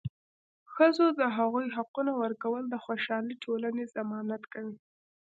ښځو ته د هغوي حقونه ورکول د خوشحاله ټولنې ضمانت کوي.